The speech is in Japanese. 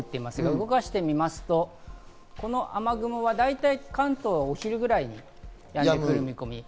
動かしてみますと、この雨雲はだいたい関東はお昼ぐらいにやむ見込み。